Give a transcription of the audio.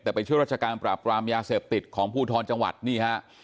แต่ไปช่วยราชการปราบปรามยาเสพติดของภูทรจังหวัดนี่ฮะ